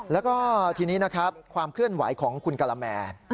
แล้วก็ทีนี้ความเคลื่อนไหวของคุณกราเมน